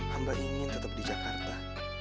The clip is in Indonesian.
hamba ingin tetap di jakarta